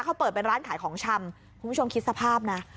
เขาเปิดเป็นร้านขายของชำคุณผู้ชมคิดสภาพนะ